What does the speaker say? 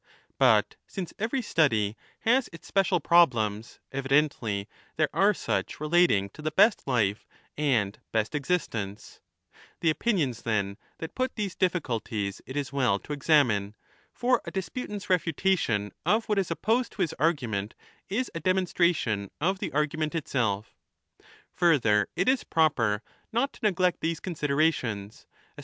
But since every study has its special problems, evidently there are such relating to the best life and best existence ; the opinions 5 then that put these difficulties it is well to examine, for a disputant's refutation of what is opposed to his argument is a demonstration of the argument itself Further, it is proper not to neglect these considerations, especially with a view to that at which all inquiry should be directed, viz.